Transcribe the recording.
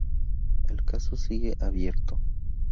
El caso sigue abierto.